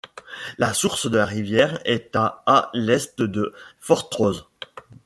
La source de la rivière est à à l’est de Fortrose.